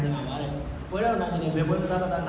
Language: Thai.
ที่นั่งกันต่อไปและจริงที่ออกไปฉะนั้นก็คือวันนี้